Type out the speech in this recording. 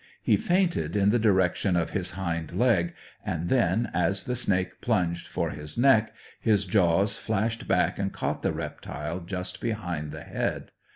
He feinted in the direction of his hind leg, and then, as the snake plunged for his neck, his jaws flashed back and caught the reptile just behind the head.